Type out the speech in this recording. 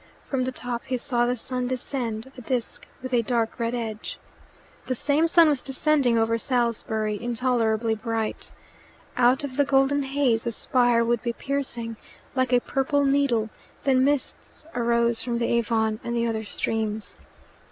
From the top he saw the sun descend a disc with a dark red edge. The same sun was descending over Salisbury intolerably bright. Out of the golden haze the spire would be piercing, like a purple needle; then mists arose from the Avon and the other streams.